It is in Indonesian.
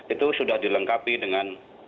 itu sudah dilengkapi dengan